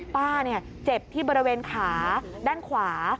ป้าเจ็บที่บริเวณขาด้านขวา